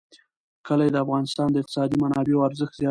کلي د افغانستان د اقتصادي منابعو ارزښت زیاتوي.